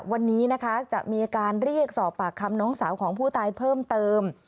วันนี้นะคะจะมีการเรียกสอบปากคำน้องสาวของผู้ตายเพิ่มเติม